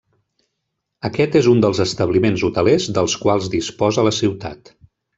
Aquest és un dels establiments hotelers dels quals disposa la ciutat.